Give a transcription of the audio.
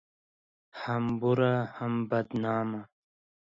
هم بوره ، هم بدنامه